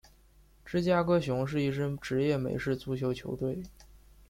芝加哥熊是一支职业美式足球球队。